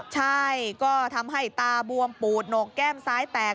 ใช่ก็ทำให้ตาบวมปูดหนกแก้มซ้ายแตก